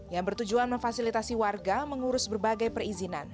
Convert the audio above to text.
yang bertujuan memfasilitasi warga mengurus berbagai perizinan